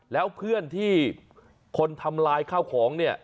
แล้วเพื่อนที่คนทำลายข้าวของเนี่ย